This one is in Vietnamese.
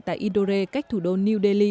tại indore cách thủ đô new delhi